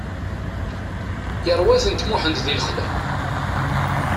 Yerwa-tent Muḥend di lexla.